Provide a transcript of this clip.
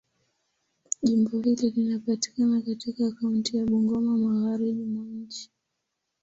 Jimbo hili linapatikana katika kaunti ya Bungoma, Magharibi mwa nchi.